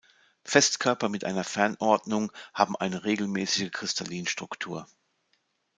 Festkörper mit einer Fernordnung haben eine regelmäßige Kristallstruktur.